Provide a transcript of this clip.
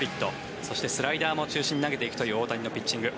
そして、スライダーも中心に投げていくという大谷のピッチング。